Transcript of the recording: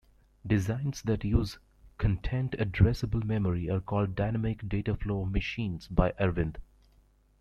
Designs that use Content-addressable memory are called dynamic dataflow machines by Arvind.